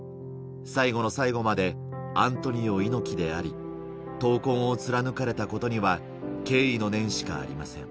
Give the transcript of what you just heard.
最後の最後までアントニオ猪木であり、闘魂を貫かれたことには敬意の念しかありません。